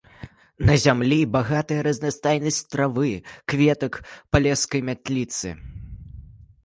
На зямлі багатая разнастайнасць травы, кветак, палескай мятліцы.